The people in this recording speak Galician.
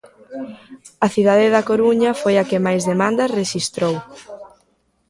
A cidade da Coruña foi a que máis demandas rexistrou.